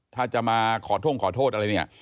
ถ้าจะมาขอโทษอะไรเนี่ย